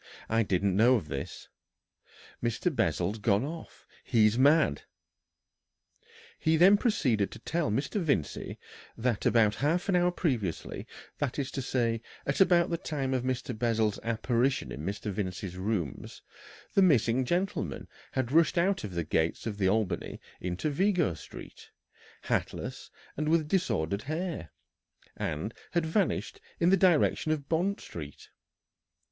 "I didn't know of this. Mr. Bessel's gone off. He's mad!" He then proceeded to tell Mr. Vincey that about half an hour previously, that is to say, at about the time of Mr. Bessel's apparition in Mr. Vincey's rooms, the missing gentleman had rushed out of the gates of the Albany into Vigo Street, hatless and with disordered hair, and had vanished into the direction of Bond Street.